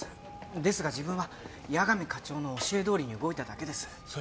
ですが自分は矢上課長の教えどおりに動いただけです。